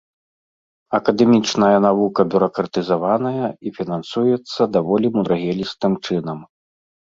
Акадэмічная навука бюракратызаваная і фінансуецца даволі мудрагелістым чынам.